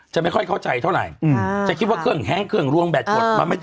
ไม่ค่อยเข้าใจเท่าไหร่จะคิดว่าเครื่องแห้งเครื่องรวงแบบกด